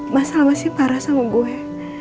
mas al masih parah sama gue